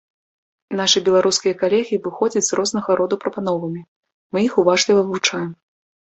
Нашы беларускія калегі выходзяць з рознага роду прапановамі, мы іх уважліва вывучаем.